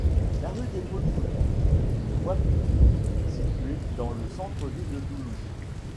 La rue des Polinaires est une voie publique située dans le centre-ville de Toulouse.